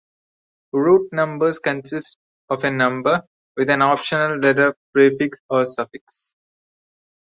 Route numbers consist of a number, with an optional letter prefix or suffix.